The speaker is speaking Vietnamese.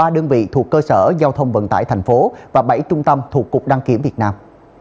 ba đơn vị thuộc cơ sở giao thông vận tải thành phố và bảy trung tâm thuộc cục đăng kiểm việt nam